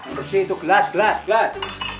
bersih itu gelas gelas